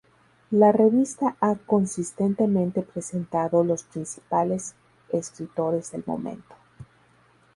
La revista ha consistentemente presentado los principales escritores del momento.